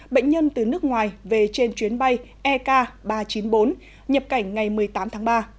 bệnh nhân từ nước ngoài về trên chuyến bay ek ba trăm chín mươi bốn nhập cảnh ngày một mươi tám tháng ba